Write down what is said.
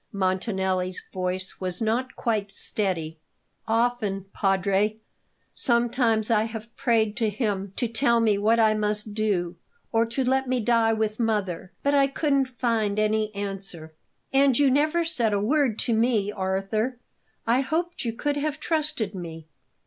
Montanelli's voice was not quite steady. "Often, Padre. Sometimes I have prayed to Him to tell me what I must do, or to let me die with mother. But I couldn't find any answer." "And you never said a word to me. Arthur, I hoped you could have trusted me."